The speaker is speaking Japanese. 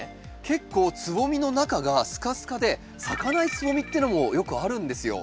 結構つぼみの中がスカスカで咲かないつぼみっていうのもよくあるんですよ。